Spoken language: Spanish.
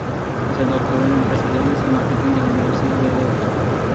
Se doctoró en empresariales y marketing en la Universidad de Deusto.